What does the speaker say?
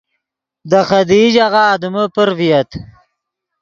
دے خدیئی ژاغہ آدمے پر ڤییت